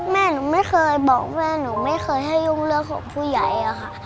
แม่หนูไม่เคยบอกแม่หนูไม่เคยให้ยุ่งเรื่องของผู้ใหญ่อะค่ะ